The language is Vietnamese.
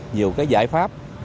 nhiều cái giải pháp